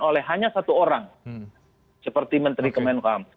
oleh hanya satu orang seperti menteri kemenhukam